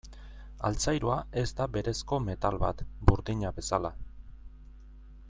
Altzairua ez da berezko metal bat, burdina bezala.